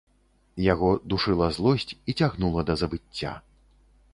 Яго душыла злосць і цягнула да забыцця.